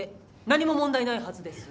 何も問題ないはずです。